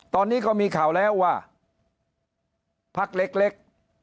ตอนนี้ก็มีข่าวแล้วว่าพักเล็ก